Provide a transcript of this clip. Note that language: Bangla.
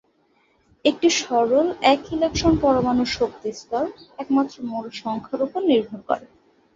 একটি সরল এক-ইলেকট্রন পরমাণুর শক্তি স্তর একমাত্র মূল সংখ্যার উপর নির্ভর করে।